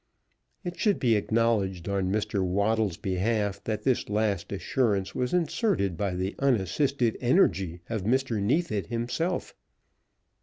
It should be acknowledged on Mr. Waddle's behalf, that that last assurance was inserted by the unassisted energy of Mr. Neefit himself.